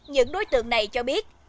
những đối tượng này cho biết